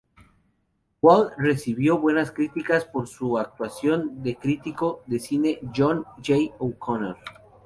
Wahl recibió buenas críticas por su actuación del crítico de cine: John J. O'Connor.